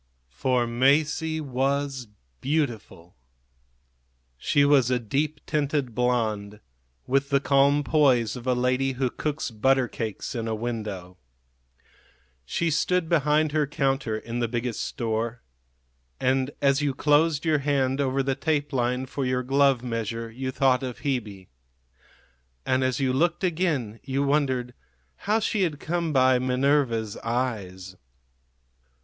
For Masie was beautiful. She was a deep tinted blonde, with the calm poise of a lady who cooks butter cakes in a window. She stood behind her counter in the Biggest Store; and as you closed your hand over the tape line for your glove measure you thought of Hebe; and as you looked again you wondered how she had come by Minerva's eyes.